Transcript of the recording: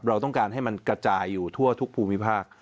เราต้องการให้มันกระจายอยู่ทั่วทุกภูมิภาค